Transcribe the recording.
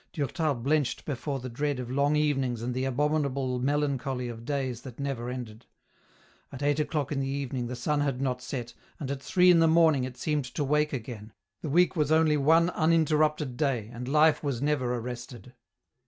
Durtal blenched before the dread of long evenings and the abominable melancholy of days that never ended. At eight o'clock in the evening the sun had not set, and at three in the morning it seemed to wake again ; the week was only one uninterrupted day, and life was never arrested.